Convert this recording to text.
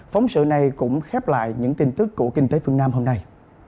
phóng sự này cũng khép lại những tin tức của kinh tế phương nam hôm nay